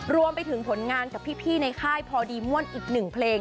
รวมไปถึงผลงานกับพี่ในค่ายพอดีม่วนอีกหนึ่งเพลง